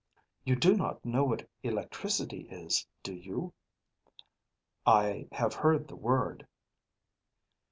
You do not know what electricity is, do you?" "I have heard the word."